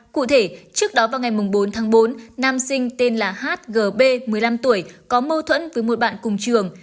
cụ thể trước đó vào ngày bốn tháng bốn nam sinh tên là hgb một mươi năm tuổi có mâu thuẫn với một bạn cùng trường